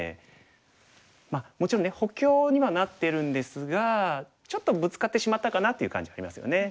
まあもちろんね補強にはなってるんですがちょっとブツカってしまったかなっていう感じはありますよね。